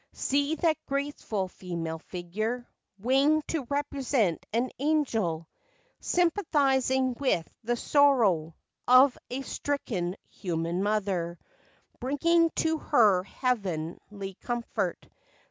See that graceful female figure, Winged, to represent an angel, Sympathizing with the sorrow Of a stricken human mother, Bringing to her heavenly comfort.